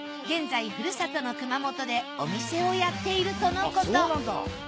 現在ふるさとの熊本でお店をやっているとのこと。